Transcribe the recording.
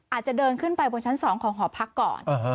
อาจจะเดินขึ้นไปบนชั้น๒ของหอพักก่อน